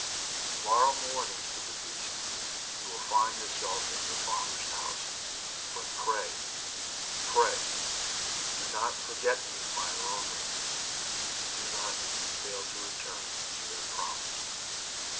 "To morrow morning," said the Beast, "you will find yourself at your father's house. But pray — pray — do not forget me in my loneliness, and do not fail to return as you have promised."